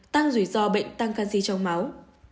tăng rủi ro bệnh tăng canxi trong máu